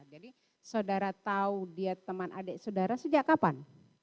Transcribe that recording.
jadi saudara tahu dia teman adik saudara sejak kapan